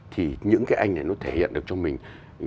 thì những cái anh này nó thể hiện được cho mình